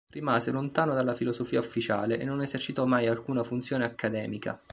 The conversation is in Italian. Rimase lontano dalla filosofia ufficiale e non esercitò mai alcuna funzione accademica.